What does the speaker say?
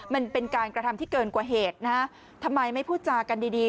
มันเป็นการกระทำที่เกินกว่าเหตุนะฮะทำไมไม่พูดจากันดีดี